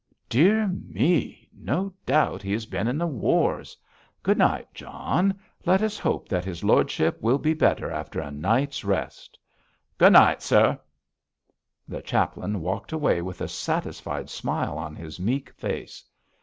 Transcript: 'Dear me! no doubt he has been in the wars. Good night, John. Let us hope that his lordship will be better after a night's rest.' 'Good night, sir!' The chaplain walked away with a satisfied smile on his meek face.